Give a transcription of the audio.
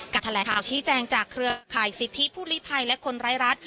แถลงข่าวชี้แจงจากเครือข่ายสิทธิผู้ลิภัยและคนไร้รัฐ